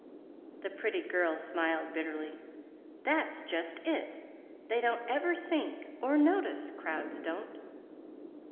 The pretty girl smiled bitterly. "That's just it. They don't ever think or notice, crowds don't."